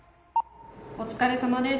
お疲れさまです。